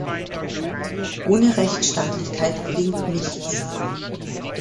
Ohne Rechtsstaatlichkeit gelingt nichts.